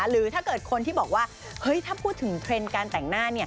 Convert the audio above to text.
หรือถ้าเกิดคนที่บอกว่าเฮ้ยถ้าพูดถึงเทรนด์การแต่งหน้า